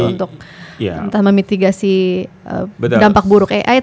untuk entah memitigasi dampak buruk ai